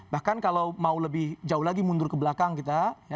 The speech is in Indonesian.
bahkan kalau mau lebih jauh lagi mundur ke belakang kita